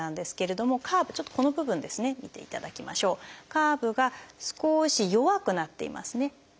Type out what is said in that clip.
カーブが少し弱くなっていますね。